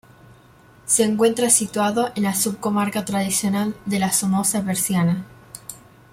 Se encuentra situado en la subcomarca tradicional de La Somoza Berciana